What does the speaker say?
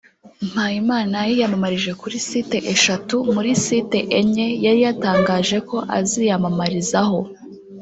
Mpayimana yiyamamarije kuri site eshatu muri site enye yari yatangaje ko aziyamamarizaho